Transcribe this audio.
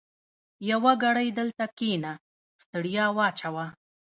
يوه ګړۍ دلته کېنه؛ ستړیا واچوه.